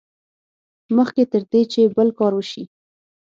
مخکې تر دې چې بل کار وشي.